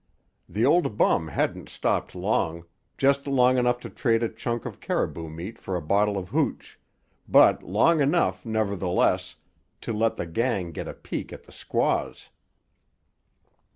The old bum hadn't stopped long, just long enough to trade a chunk of caribou meat for a bottle of hooch, but long enough, nevertheless, to let the gang get a peek at the squaws.